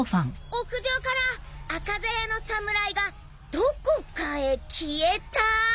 屋上から赤鞘の侍がどこかへ消えた？